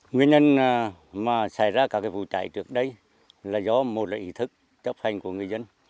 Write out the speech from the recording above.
nguyên nhân mà xảy ra các vụ cháy trước đây là do một là ý thức chấp hành của người dân